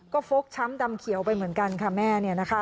ก็ฟกช้ำดำเขียวไปเหมือนกันค่ะแม่